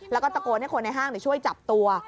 แล้วก็ตะโกนให้คนในห้างช่วยจับตัว